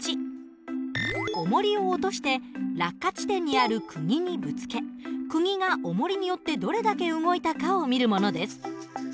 おもりを落として落下地点にあるくぎにぶつけくぎがおもりによってどれだけ動いたかを見るものです。